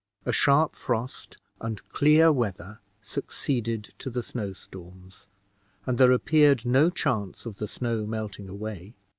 A sharp frost and clear weather succeeded to the snow storms, and there appeared no chance of the snow melting away.